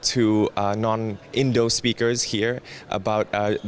untuk orang orang yang tidak berbicara indo di sini